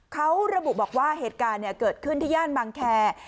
เขาระบุบอกว่าเหตุการณ์เกิดขึ้นที่ย่านบางแคร์